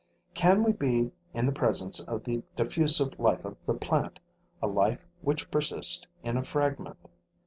Can we be in the presence of the diffusive life of the plant, a life which persists in a fragment?